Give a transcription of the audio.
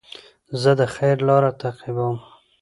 زه د خیر لاره تعقیبوم.